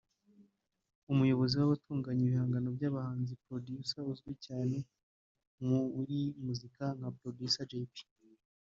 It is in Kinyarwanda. umuyobozi w’abatunganya ibihangano by’abahanzi ‘Producers’ uzwi cyane muri muzika nka Producer Jay P